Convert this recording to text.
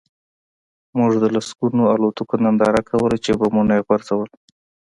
موږ د لسګونو الوتکو ننداره کوله چې بمونه یې غورځول